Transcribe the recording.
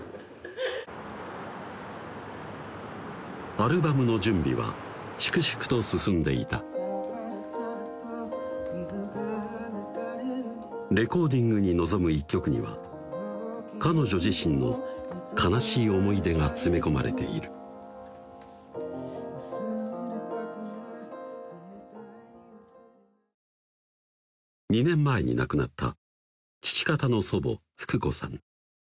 アルバムの準備は粛々と進んでいたレコーディングに臨む一曲には彼女自身の悲しい思い出が詰め込まれている２年前に亡くなった父方の祖母福子さん